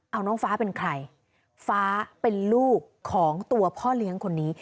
เอาน้องฟ้าเป็นใครฟ้าเป็นลูกของตัวพ่อเลี้ยงคนนี้